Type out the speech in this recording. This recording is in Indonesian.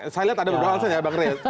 saya lihat ada beberapa alasan ya bang rey